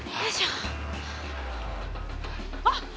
あっ！